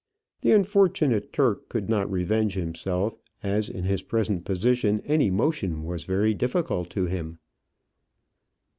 The unfortunate Turk could not revenge himself, as in his present position any motion was very difficult to him.